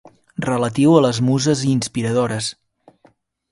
Relatius a les muses inspiradores.